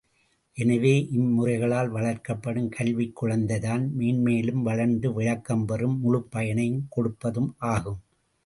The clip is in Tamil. எனவே, இம்முறைகளால் வளர்க்கப்படும் கல்விக் குழந்தைதான் மேன்மேலும் வளர்ந்து விளக்கம் பெறும் முழுப் பயனையும் கொடுப்பதும் ஆகும்.